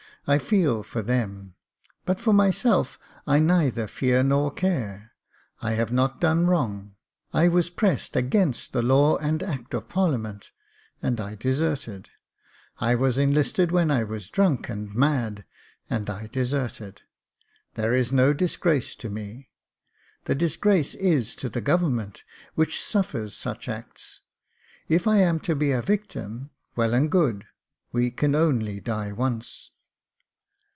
" I feel for them, but for myself I neither fear nor care. I have not done wrong — I was pressed against the law and act of parlia ment, and I deserted. I was enlisted when I was drunk and mad, and I deserted. There is no disgrace to me ; the disgrace is to the government, which suffers such acts. If I am to be a victim, well and good — we can only die once."